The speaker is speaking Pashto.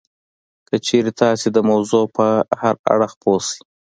که چېرې تاسې د موضوع په هر اړخ پوه شئ